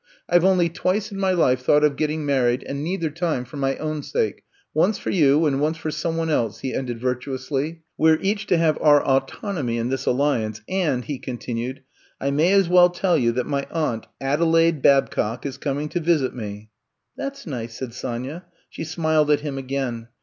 I Ve only twice in my life thought of getting married and neither time for my own sake — once for you and once for some one else, he ended virtuously. We 're each to have our au tonomy in this alliance and, '' he continued, ^*I may as well tell you that my aunt, Ade laide Babcock, is coming to visit me.'' ^* That 's nice, '' said Sonya. She smiled at him again.